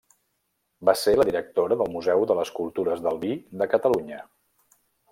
Va ser la directora del Museu de les Cultures del Vi de Catalunya.